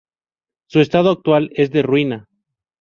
Su estado actual es de ruina.